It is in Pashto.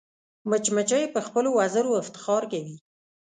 مچمچۍ په خپلو وزرو افتخار کوي